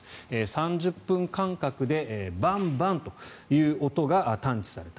３０分間隔でバンバンという音が探知された。